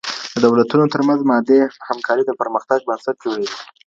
د دولتونو ترمنځ مادي همکاري د پرمختګ بنسټ جوړوي.